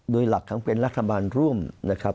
โดยหลักทั้งเป็นรัฐบาลร่วมนะครับ